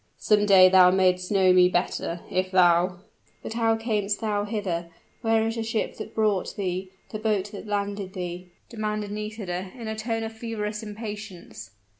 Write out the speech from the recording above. "Some day thou may'st know me better, if thou " "But how camest thou hither? Where is the ship that brought thee the boat that landed thee?" demanded Nisida in a tone of feverish impatience.